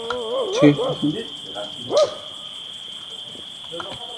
El nombre deriva de sus inventores Vernon e Irene Castle.